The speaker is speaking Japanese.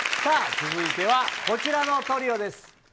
続いてはこちらのトリオです。